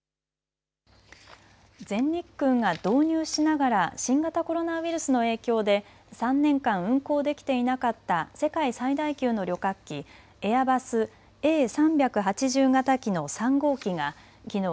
全日空が導入しながら新型コロナウイルスの影響で３年間運航できていなかった世界最大級の旅客機、エアバスＡ３８０型機の３号機がきのう